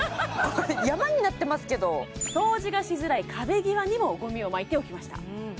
これ山になってますけど掃除がしづらい壁際にもゴミをまいておきました